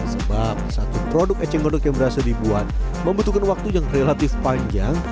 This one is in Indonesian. sebab satu produk eceng gondok yang berhasil dibuat membutuhkan waktu yang relatif panjang